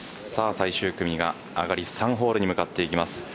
最終組が上がり３ホールに向かっていきます。